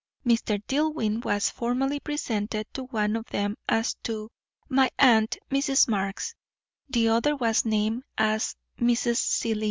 Mr. Dillwyn was formally presented to one of them as to "my aunt, Mrs. Marx;" the other was named as "Mrs. Seelye."